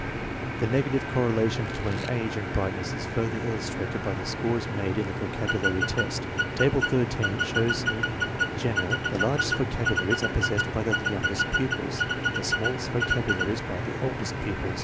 The negative correlation between age and bright ness is further illustrated by the scores made in the vocabulary test. Table 13 shows that in general the largest vocabularies are possessed by the youngest pupils, the smallest vocabularies by the oldest pupils.